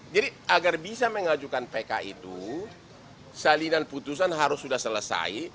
jadi agar bisa mengajukan pk itu salinan putusan harus sudah selesai